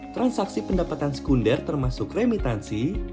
transaksi pendapatan sekunder termasuk remitansi